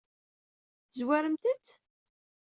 Tezwaremt-t?